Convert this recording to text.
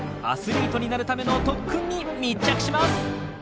アスリートになるための特訓に密着します。